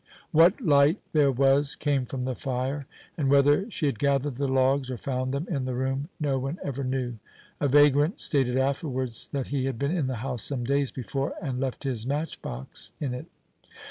What light there was came from the fire, and whether she had gathered the logs or found them in the room no one ever knew. A vagrant stated afterwards that he had been in the house some days before and left his match box in it.